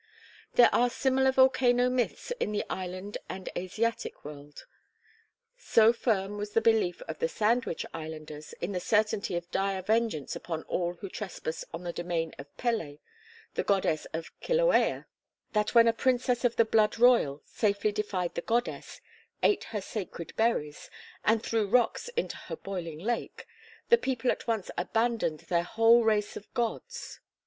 There are similar volcano myths in the island and Asiatic world. So firm was the belief of the Sandwich Islanders in the certainty of dire vengeance upon all who trespassed on the domain of Pele, the goddess of Kilauea, that when a princess of the blood royal safely defied the goddess, ate her sacred berries, and threw rocks into her boiling lake, the people at once abandoned their whole race of gods.